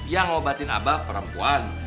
yang ngobatin abah perempuan